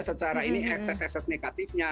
secara ini ekses ekses negatifnya